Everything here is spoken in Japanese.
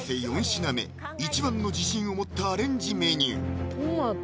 ４品目一番の自信を持ったアレンジメニュー